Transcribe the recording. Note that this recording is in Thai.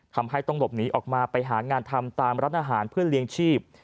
ทำให้ต้องหลบหนีออกมาไปหางานทำตามร้านอาหารเพื่อเลี้ยงชีพ